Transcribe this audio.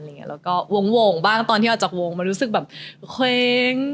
แล้วก็วงบ้างตอนที่ออกจากวงมันรู้สึกแบบเคว้ง